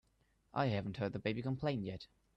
I haven't heard the baby complain yet.